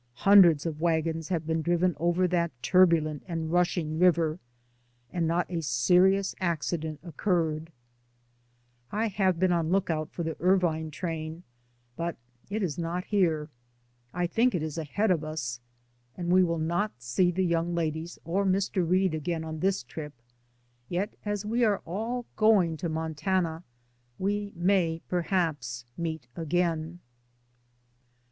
Hundreds of wagons have been driven over that turbulent and rushing river, and not a serious accident occurred. I have been on the lookout for the Irvine train, but it is not here. I think it is ahead of us, and we will not see the young ladies or Mr. Reade again on this trip, yet as we are all going to Montana we may perhaps meet again.